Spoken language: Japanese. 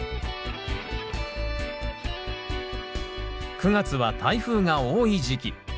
９月は台風が多い時期。